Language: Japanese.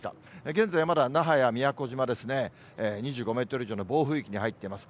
現在、まだ那覇や宮古島ですね、２５メートル以上の暴風域に入っています。